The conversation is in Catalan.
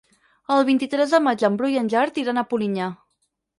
El vint-i-tres de maig en Bru i en Gerard iran a Polinyà.